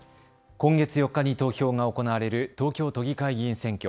今月４日に投票が行われる東京都議会議員選挙。